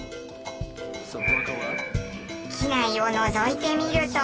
機内をのぞいてみると。